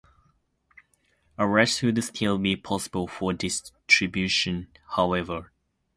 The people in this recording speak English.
Arrest would still be possible for distribution, however.